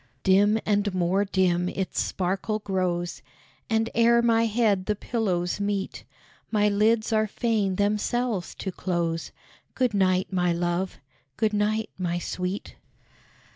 Dim and more dim its sparkle grows, And ere my head the pillows meet, My lids are fain themselves to close. Good night, my love! good night, my sweet!